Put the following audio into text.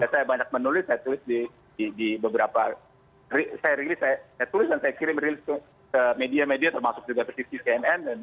saya banyak menulis saya tulis di beberapa saya tulis dan saya kirim ke media media termasuk di beberapa sisi cnn